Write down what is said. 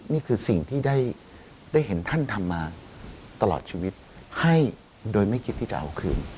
นี่คือสิ่งที่ได้เห็นท่านทำมาตลอดชีวิตให้โดยไม่คิดที่จะเอาคืน